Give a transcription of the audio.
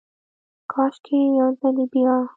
کاشکي ، یو ځلې بیا،